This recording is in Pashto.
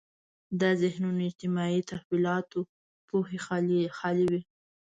دا ذهنونه د اجتماعي تحولاتو پوهې خالي وي.